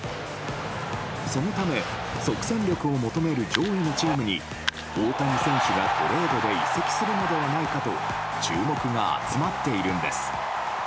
そのため即戦力を求める上位のチームに大谷選手がトレードで移籍するのではないかと注目が集まっているんです。